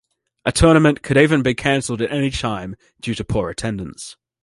A tournament could even be canceled at any time due to poor attendance.